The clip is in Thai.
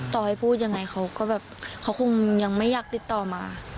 ต่อให้พูดยังไงเขาคงยังไม่อยากติดต่อมา